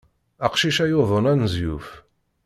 Aqcic-a yuḍen anezyuf.